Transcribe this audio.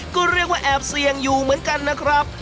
ก็เรียกว่าแอบเสี่ยงอยู่เหมือนกันนะครับ